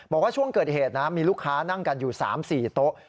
บอกว่าช่วงเกิดเหตุนะมีลูกค้านั่งกันอยู่๓๔โต๊ะ